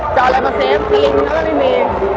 จะสมัครถึงไม่มี